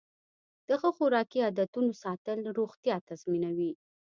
د ښه خوراکي عادتونو ساتل روغتیا تضمینوي.